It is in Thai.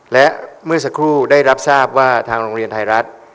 และเมื่อสักครู่ได้รับทราบว่าทางโรงเรียนไทยรัฐ